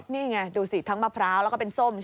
นี้ไงมัพร้าวถูกเป็นส้ม